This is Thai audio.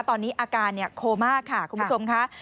ตอนนี้อาการโคม่าค่ะคุณผู้ชมค่ะ